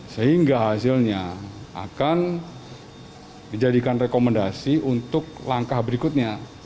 sehingga hasilnya akan dijadikan rekomendasi untuk langkah berikutnya